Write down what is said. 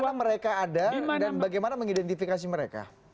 di mana mereka ada dan bagaimana mengidentifikasi mereka